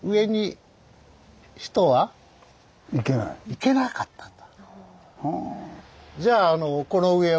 行けなかったと。